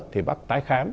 thì bác tái khám